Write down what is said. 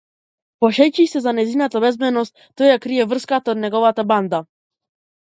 Плашејќи се за нејзината безбедност, тој ја крие врската од неговата банда.